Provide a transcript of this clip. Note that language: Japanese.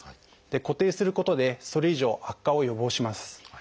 固定することでそれ以上悪化を予防します。